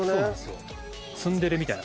ツンデレみたいな。